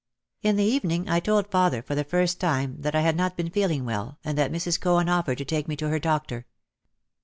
In the evening I told father for the first time that I had not been feeling well and that Mrs. Cohen offered to take me to her doctor.